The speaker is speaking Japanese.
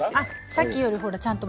さっきよりほらちゃんと。